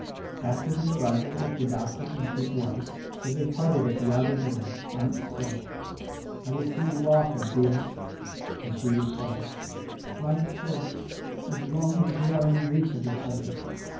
After the arrival of the doctor and his wife, as they parted at the outer door Arndt said, "I will see you often, dear;" and she replied, "Why, of course, as long as we are in reach of each other."